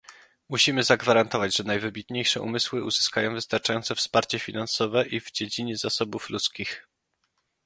Musimy zagwarantować, że najwybitniejsze umysły uzyskają wystarczające wsparcie finansowe i w dziedzinie zasobów ludzkich